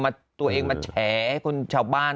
เขาชอบเอาตัวเองมาแช้ให้คนชาวบ้าน